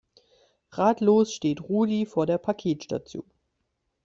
Ratlos steht Rudi vor der Paketstation.